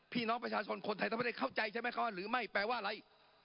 พี่น้องประชาชนคนไทยต้องไม่ได้เข้าใจใช่ไหมคะว่าหรือไม่แปลว่าอะไร